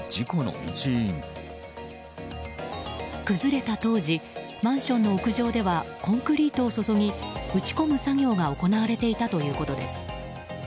崩れた当時マンションの屋上ではコンクリートを注ぎ打ち込む作業が行われていたということです。